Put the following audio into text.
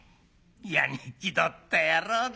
いやに気取った野郎だねぇ。